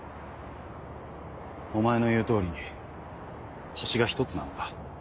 お前の言う通り星が１つなんだ。